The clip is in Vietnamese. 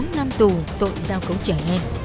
bốn năm tù tội giao cấu trẻ em